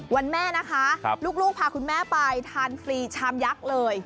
วันแม่นะคะลูกพาคุณแม่ไปทานฟรีชามยักษ์เลย